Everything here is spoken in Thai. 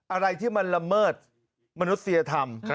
อะไรที่มันละเมิดมนุษยธรรม